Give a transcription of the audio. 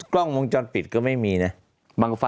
กล้องวงจรปิดก็ไม่มีนะ